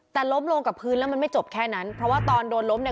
แต่ล้มลงกับพื้นแล้วมันไม่จบแค่นั้นเพราะว่าตอนโดนล้มเนี่ย